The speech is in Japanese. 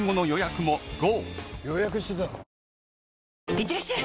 いってらっしゃい！